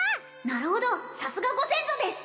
なるほどさすがご先祖です！